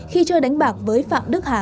khi chơi đánh bạc với phạm đức hà